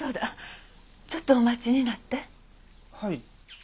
はい。